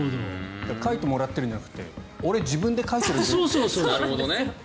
かいてもらってるんじゃなくて俺、自分でかいてるんだよと。